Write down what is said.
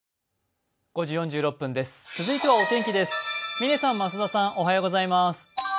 続いてはお天気です。